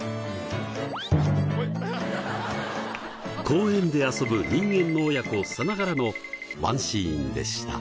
公園で遊ぶ人間の親子さながらのワンシーンでした。